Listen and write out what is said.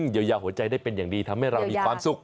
เยียวยาหัวใจได้เป็นอย่างดีทำให้เรามีความสุข